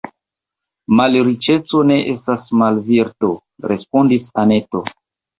Malriĉeco ne estas malvirto, respondis Anneto.